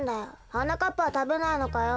はなかっぱはたべないのかよ。